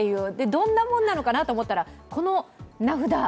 どんなものなのかなと思ったら、この名札。